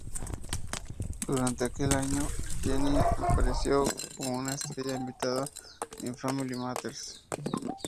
Durante aquel año, Jennie apareció como una estrella invitada en "Family Matters".